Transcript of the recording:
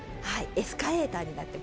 エスカレーターになってます。